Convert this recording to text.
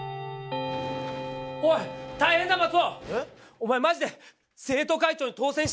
おまえマジで生徒会長に当選したぞ！